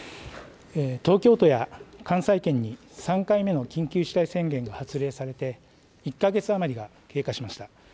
東京都や関西圏に３回目の緊急事態宣言が発令されて、１か月余りが経過しました。